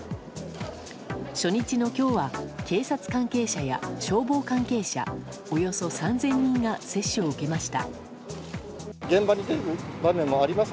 初日の今日は警察関係者や消防関係者およそ３０００人が接種を受けました。